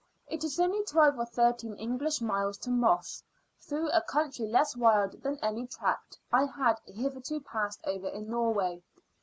It is only twelve or thirteen English miles to Moss, through a country less wild than any tract I had hitherto passed over in Norway.